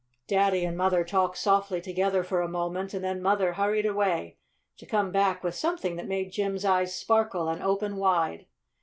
Daddy and Mother talked softly together a moment, and then Mother hurried away to come back with something that made Jim's eyes sparkle and open wide.